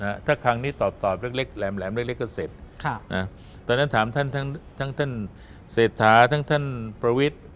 ถ้าครั้งนี้ตอบตอบเล็กเล็กแหลมแหลมเล็กเล็กก็เสร็จค่ะอ่าตอนนั้นถามท่านทั้งทั้งท่านเศรษฐาทั้งท่านประวิทธิ์